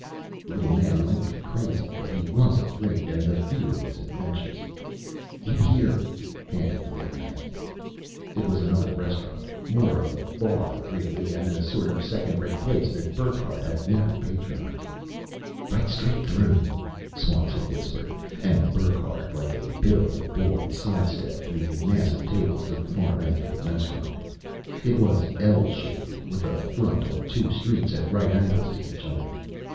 The little man might be crazy, but he was afraid. And the fear was infectious. "In here!" panted the little man. It was another restaurant more of a bar, really, and a sort of second rate place that Burckhardt had never patronized. "Right straight through," Swanson whispered; and Burckhardt, like a biddable boy, side stepped through the mass of tables to the far end of the restaurant. It was "L" shaped, with a front on two streets at right angles to each other.